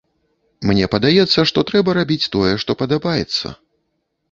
Мне падаецца, што трэба рабіць тое, што падабаецца.